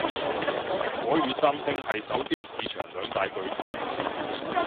蘋果與三星係手機市場兩大巨頭